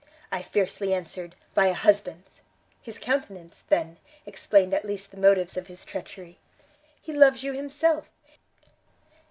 I fiercely answered; by a husband's! His countenance, then, explained at least the motives of his treachery, he loves you himself!